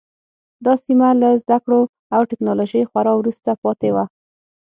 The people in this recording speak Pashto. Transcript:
دا سیمه له زده کړو او ټکنالوژۍ خورا وروسته پاتې وه.